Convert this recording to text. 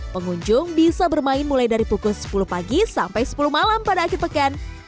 pengunjung bisa bermain mulai dari pukul sepuluh pagi sampai sepuluh malam pada akhir pekan